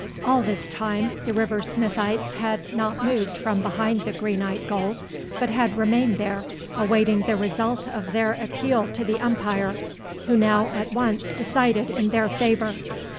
All this time the River Smithites had not moved from behind the Greenite goal, but had remained there awaiting the result of their appeal to the umpire, who now at once decided in their favour.